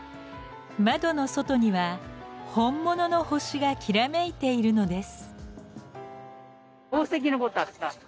窓の外には本物の星がきらめいているのです。